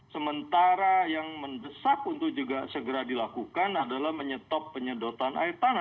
sementara yang mendesak untuk juga segera dilakukan adalah menyetop penyedotan air tanah